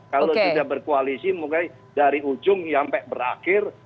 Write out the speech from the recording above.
kalau tidak berkoalisi mungkin dari ujung sampai berakhir